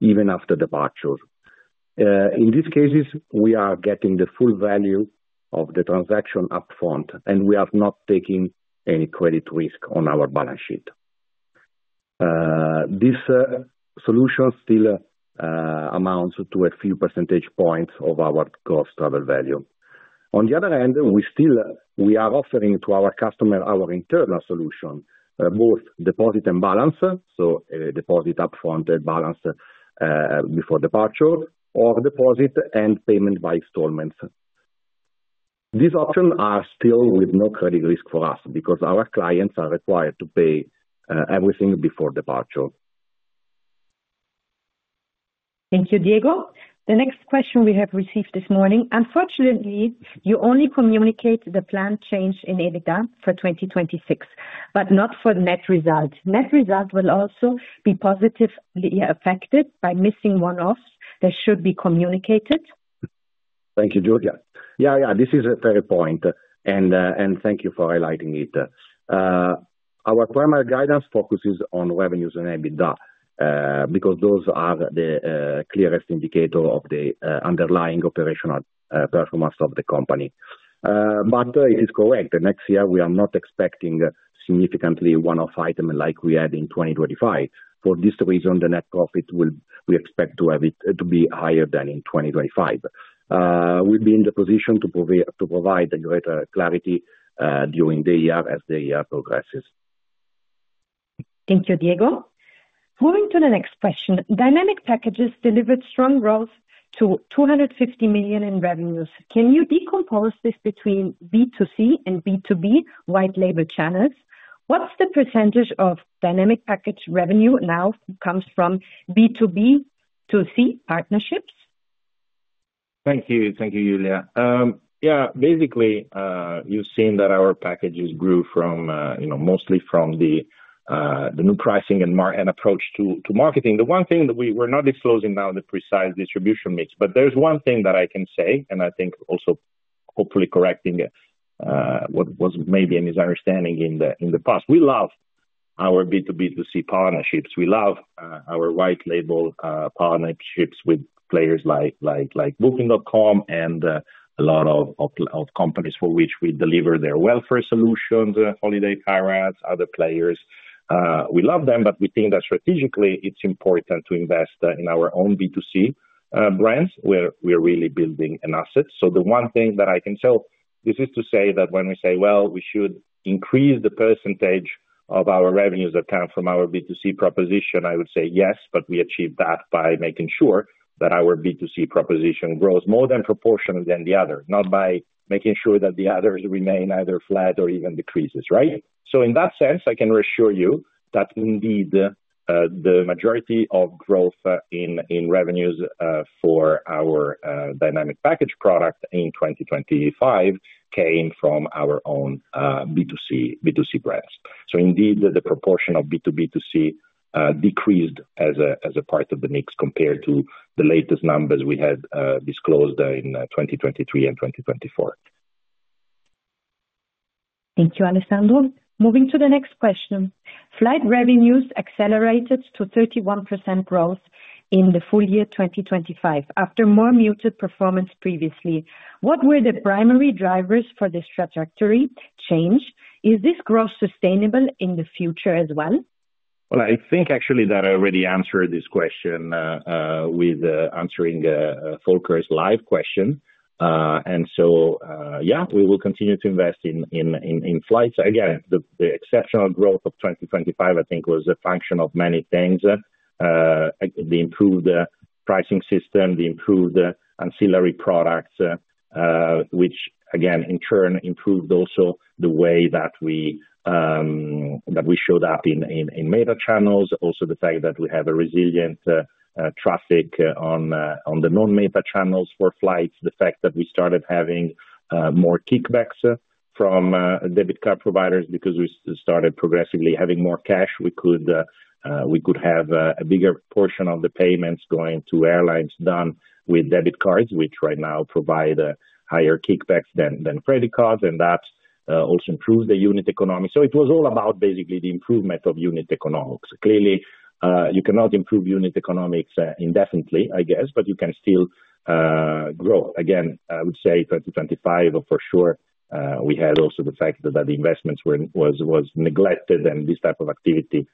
even after departure. In these cases, we are getting the full value of the transaction up front, and we are not taking any credit risk on our balance sheet. This solution still amounts to a few percentage points of our Gross Travel Value. On the other hand, we still are offering to our customer our internal solution, both deposit and balance, so a deposit upfront and balance before departure, or deposit and payment by installments. These options are still with no credit risk for us because our clients are required to pay everything before departure. Thank you, Diego. The next question we have received this morning: Unfortunately, you only communicate the planned change in EBITDA for 2026, but not for the net result. Net result will also be positively affected by missing one-off that should be communicated?... Thank you, Julia. Yeah, yeah, this is a fair point, and thank you for highlighting it. Our primary guidance focuses on revenues and EBITDA because those are the clearest indicator of the underlying operational performance of the company. But it is correct, next year we are not expecting significantly one-off item like we had in 2025. For this reason, the net profit will - we expect to have it to be higher than in 2025. We'll be in the position to provide a greater clarity during the year as the year progresses. Thank you, Diego. Moving to the next question. Dynamic packages delivered strong growth to 250 million in revenues. Can you decompose this between B2C and B2B white label channels? What's the percentage of dynamic package revenue now comes from B2B2C partnerships? Thank you, thank you, Julia. Yeah, basically, you've seen that our packages grew from, you know, mostly from the new pricing and marketing and approach to marketing. The one thing that we're not disclosing now, the precise distribution mix, but there's one thing that I can say, and I think also hopefully correcting what was maybe a misunderstanding in the past. We love our B2B2C partnerships. We love our white label partnerships with players like Booking.com and a lot of companies for which we deliver their welfare solutions, holiday payouts, other players. We love them, but we think that strategically it's important to invest in our own B2C brands, where we are really building an asset. So the one thing that I can tell, this is to say that when we say, well, we should increase the percentage of our revenues that come from our B2C proposition, I would say yes, but we achieve that by making sure that our B2C proposition grows more than proportionally than the other, not by making sure that the others remain either flat or even decreases, right? So in that sense, I can reassure you that indeed, the majority of growth, in revenues, for our dynamic package product in 2025 came from our own B2C, B2C brands. So indeed, the proportion of B2B2C decreased as a part of the mix, compared to the latest numbers we had disclosed in 2023 and 2024. Thank you, Alessandro. Moving to the next question. Flight revenues accelerated to 31% growth in the full year 2025, after more muted performance previously. What were the primary drivers for this trajectory change? Is this growth sustainable in the future as well? Well, I think actually that I already answered this question with answering Volker's live question. And so, yeah, we will continue to invest in flights. Again, the exceptional growth of 2025, I think was a function of many things. The improved pricing system, the improved ancillary products, which again, in turn, improved also the way that we showed up in Meta channels. Also, the fact that we have a resilient traffic on the non-Meta channels for flights. The fact that we started having more kickbacks from debit card providers because we started progressively having more cash, we could have a bigger portion of the payments going to airlines than with debit cards, which right now provide higher kickbacks than credit cards, and that also improved the unit economics. So it was all about basically the improvement of unit economics. Clearly, you cannot improve unit economics indefinitely, I guess, but you can still grow. Again, I would say 2025, for sure, we had also the fact that the investments were neglected and this type of activity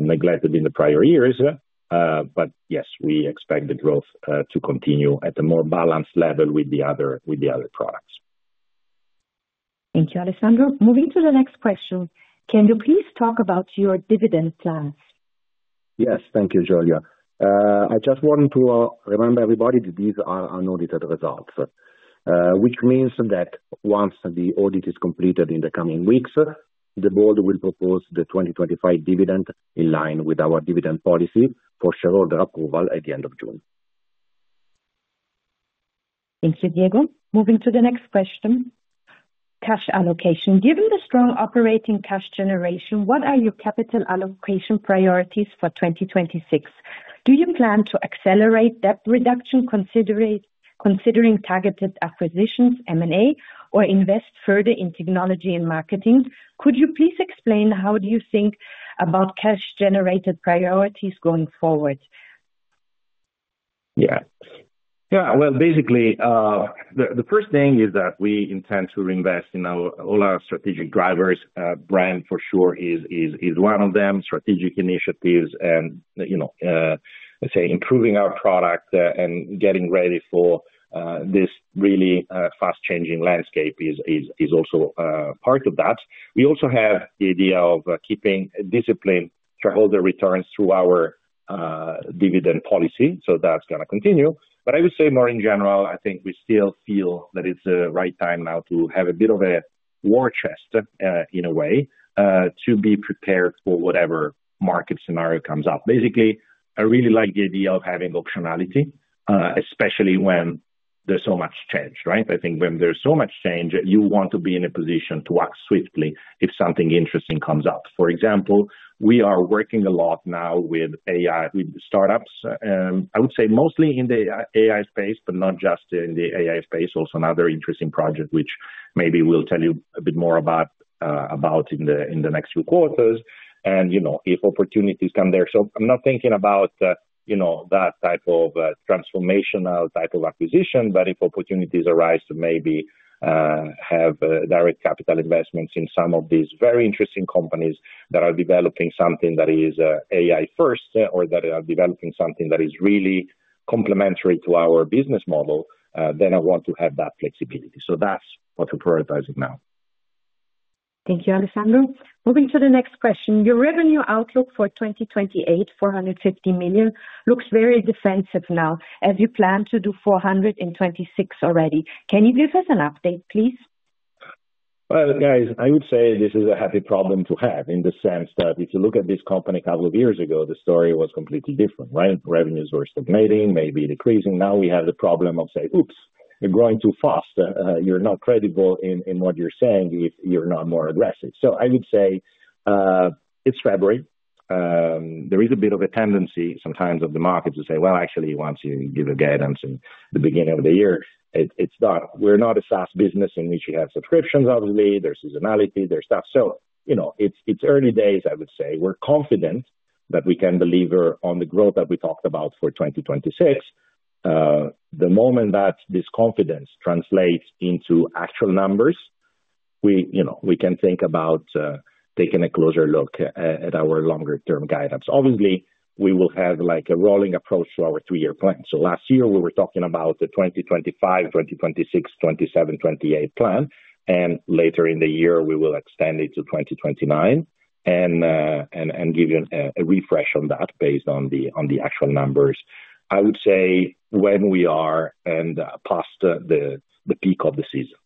neglected in the prior years. But yes, we expect the growth to continue at a more balanced level with the other products. Thank you, Alessandro. Moving to the next question: Can you please talk about your dividend plans? Yes. Thank you, Julia. I just want to remind everybody that these are unaudited results, which means that once the audit is completed in the coming weeks, the board will propose the 2025 dividend in line with our dividend policy for shareholder approval at the end of June. Thank you, Diego. Moving to the next question. Cash allocation. Given the strong operating cash generation, what are your capital allocation priorities for 2026? Do you plan to accelerate debt reduction, considering targeted acquisitions, M&A, or invest further in technology and marketing? Could you please explain how you think about cash-generated priorities going forward? Yeah. Yeah, well, basically, the first thing is that we intend to reinvest in our all our strategic drivers, brand for sure is one of them, strategic initiatives and, you know, let's say improving our product, and getting ready for this really fast-changing landscape is also part of that. We also have the idea of keeping discipline to holder returns through our dividend policy, so that's gonna continue. But I would say more in general, I think we still feel that it's the right time now to have a bit of a war chest, in a way, to be prepared for whatever market scenario comes up. Basically, I really like the idea of having optionality, especially when there's so much change, right? I think when there's so much change, you want to be in a position to act swiftly if something interesting comes up. For example, we are working a lot now with AI, with startups. I would say mostly in the AI space, but not just in the AI space. Also, another interesting project, which maybe we'll tell you a bit more about in the next few quarters, you know, if opportunities come there. So I'm not thinking about, you know, that type of transformational type of acquisition, but if opportunities arise to maybe have direct capital investments in some of these very interesting companies that are developing something that is AI first, or that are developing something that is really complementary to our business model, then I want to have that flexibility. That's what we're prioritizing now. Thank you, Alessandro. Moving to the next question. Your revenue outlook for 2028, 450 million, looks very defensive now, as you plan to do 426 million already. Can you give us an update, please? Well, guys, I would say this is a happy problem to have, in the sense that if you look at this company a couple of years ago, the story was completely different, right? Revenues were stagnating, maybe decreasing. Now we have the problem of saying, "Oops, you're growing too fast, you're not credible in what you're saying if you're not more aggressive." So I would say, it's February. There is a bit of a tendency sometimes of the market to say, "Well, actually, once you give a guidance in the beginning of the year," it's not a fast business in which you have subscriptions. Obviously, there's seasonality, there's stuff. So, you know, it's early days, I would say. We're confident that we can deliver on the growth that we talked about for 2026. The moment that this confidence translates into actual numbers, we, you know, we can think about taking a closer look at our longer term guidance. Obviously, we will have, like, a rolling approach to our three-year plan. So last year, we were talking about the 2025, 2026, 2027, 2028 plan, and later in the year, we will extend it to 2029, and give you a refresh on that based on the actual numbers. I would say when we are past the peak of the season.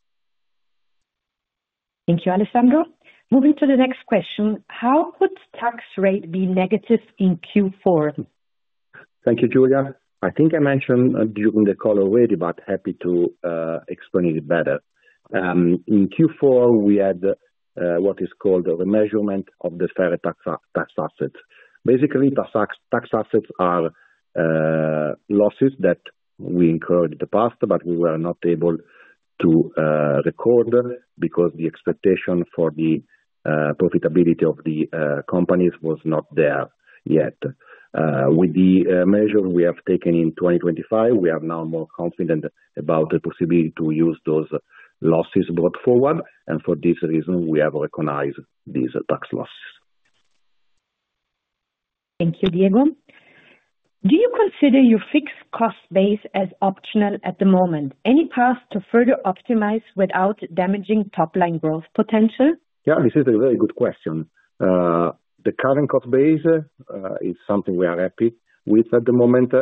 Thank you, Alessandro. Moving to the next question: How could tax rate be negative in Q4? Thank you, Julia. I think I mentioned during the call already, but happy to explain it better. In Q4, we had what is called a remeasurement of the deferred tax assets. Basically, tax assets are losses that we incurred in the past, but we were not able to record them because the expectation for the profitability of the companies was not there yet. With the measure we have taken in 2025, we are now more confident about the possibility to use those losses brought forward, and for this reason, we have recognized these tax losses. Thank you, Diego. Do you consider your fixed cost base as optional at the moment? Any path to further optimize without damaging top-line growth potential? Yeah, this is a very good question. The current cost base is something we are happy with at the moment,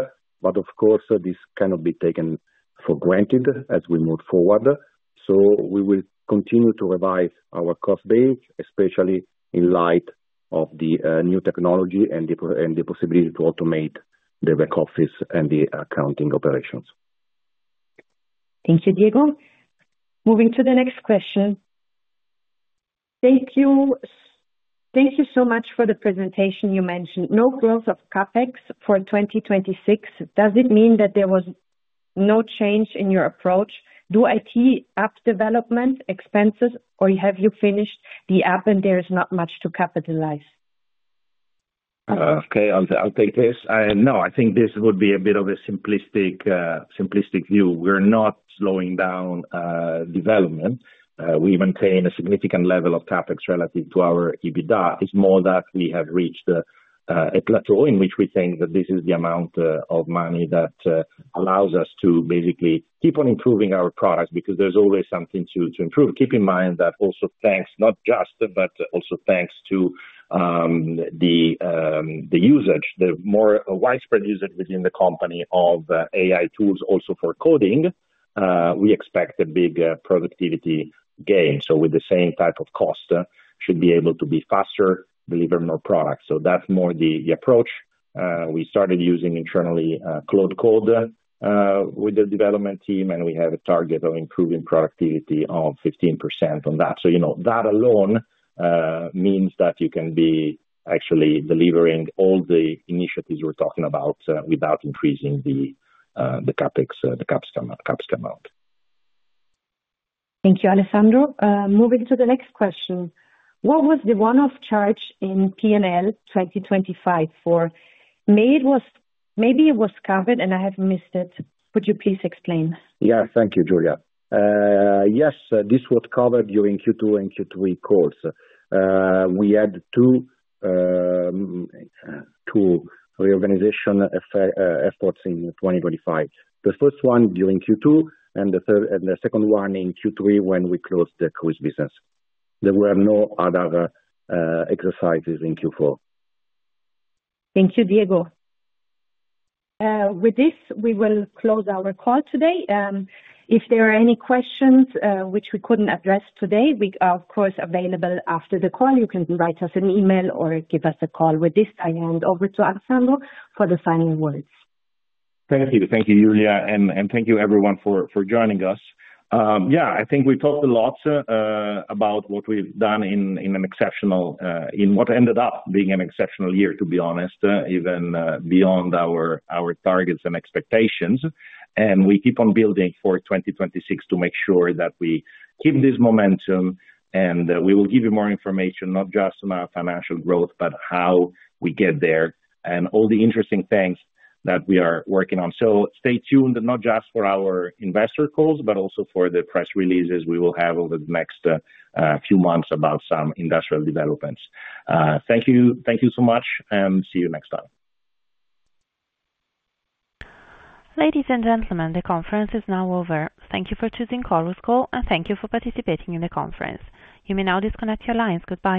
but of course, this cannot be taken for granted as we move forward. So we will continue to revise our cost base, especially in light of the new technology and the possibility to automate the back office and the accounting operations. Thank you, Diego. Moving to the next question. Thank you, thank you so much for the presentation. You mentioned no growth of CapEx for 2026. Does it mean that there was no change in your approach? Do IT app development expenses, or have you finished the app and there is not much to capitalize? Okay, I'll, I'll take this. No, I think this would be a bit of a simplistic, simplistic view. We're not slowing down development. We maintain a significant level of CapEx relative to our EBITDA. It's more that we have reached a plateau in which we think that this is the amount of money that allows us to basically keep on improving our products, because there's always something to improve. Keep in mind that also, thanks, not just, but also thanks to the more widespread usage within the company of AI tools, also for coding, we expect a big productivity gain. So with the same type of cost should be able to be faster, deliver more products. So that's more the approach. We started using internally, Claude, with the development team, and we have a target of improving productivity of 15% on that. So you know, that alone, means that you can be actually delivering all the initiatives we're talking about, without increasing the, the CapEx, the CapEx amount. Thank you, Alessandro. Moving to the next question: What was the one-off charge in P&L 2025 for? Maybe it was, maybe it was covered and I have missed it. Could you please explain? Yeah. Thank you, Julia. Yes, this was covered during Q2 and Q3 calls. We had two reorganization efforts in 2025. The first one during Q2 and the second one in Q3, when we closed the cruise business. There were no other exercises in Q4. Thank you, Diego. With this, we will close our call today. If there are any questions which we couldn't address today, we are, of course, available after the call. You can write us an email or give us a call. With this, I hand over to Alessandro for the final words. Thank you. Thank you, Julia, and thank you everyone for joining us. Yeah, I think we talked a lot about what we've done in what ended up being an exceptional year, to be honest, even beyond our targets and expectations. We keep on building for 2026 to make sure that we keep this momentum, and we will give you more information, not just on our financial growth, but how we get there, and all the interesting things that we are working on. So stay tuned, not just for our investor calls, but also for the press releases we will have over the next few months about some industrial developments. Thank you. Thank you so much, and see you next time. Ladies and gentlemen, the conference is now over. Thank you for choosing Chorus Call, and thank you for participating in the conference. You may now disconnect your lines. Goodbye.